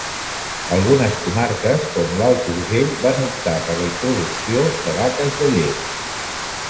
Algunes comarques com l'Alt Urgell van optar per la introducció de vaques de llet.